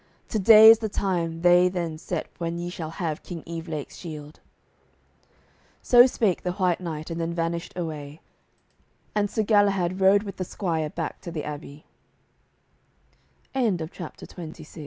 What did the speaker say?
To day is the time they then set when ye shall have King Evelake's shield." So spake the White Knight, and then vanished away; and Sir Galahad rode with the squire back to the a